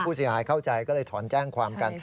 ผู้เสียหายเข้าใจก็เลยถอนแจ้งความกัน